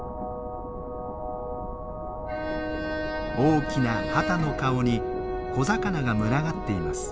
大きなハタの顔に小魚が群がっています。